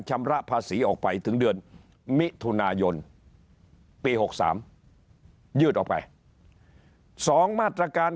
ชำระภาษีออกไปถึงเดือนมิถุนายนปี๖๓ยืดออกไป๒มาตรการ